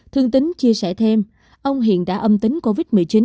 thương tính chia sẻ thêm ông hiện đã âm tính covid một mươi chín